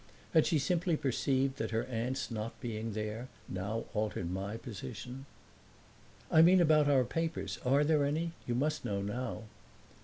Had she simply perceived that her aunt's not being there now altered my position? "I mean about our papers. ARE there any? You must know now."